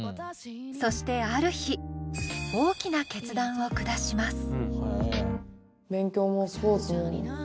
そしてある日大きな決断を下します。